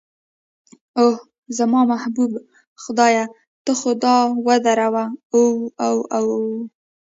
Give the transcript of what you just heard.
اوه، زما محبوب خدایه ته خو دا ودروه، اوه اوه اوه.